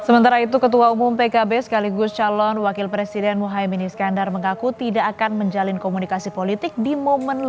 bersama mk nanti kemudian